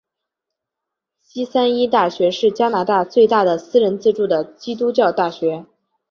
西三一大学是加拿大最大的私人资助的基督教大学。